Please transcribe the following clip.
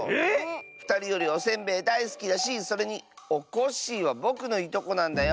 ふたりよりおせんべいだいすきだしそれにおこっしぃはぼくのいとこなんだよ。